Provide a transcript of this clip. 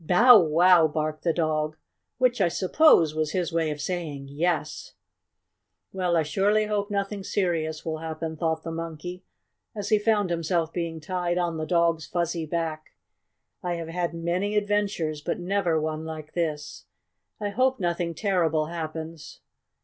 "Bow wow!" barked the dog, which, I suppose, was his way of saying: "Yes!" "Well, I surely hope nothing serious will happen," thought the Monkey, as he found himself being tied on the dog's fuzzy back. "I have had many adventures, but never one like this. I hope nothing terrible happens!"